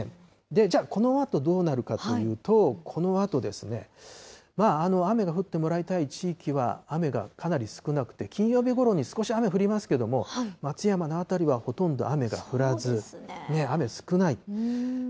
じゃあ、このあとどうなるかというと、このあとですね、雨が降ってもらいたい地域は雨がかなり少なくて、金曜日ごろに少し雨降りますけれども、松山の辺りはほとんど雨が降らず、雨少ない。